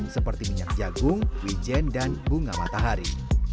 seperti minyak jagung wijen dan bunga matahari